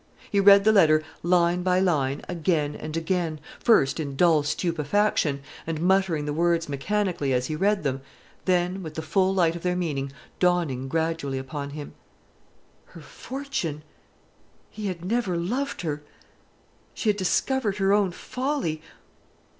He read the letter line by line again and again, first in dull stupefaction, and muttering the words mechanically as he read them, then with the full light of their meaning dawning gradually upon him. Her fortune! He had never loved her! She had discovered her own folly!